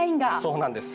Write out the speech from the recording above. そうなんです。